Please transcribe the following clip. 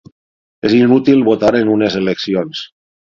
És inútil votar en unes eleccions.